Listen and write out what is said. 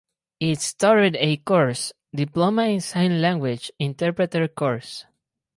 It started a course "Diploma in Sign Language Interpreter Course".